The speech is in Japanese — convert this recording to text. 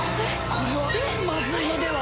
これはまずいのでは。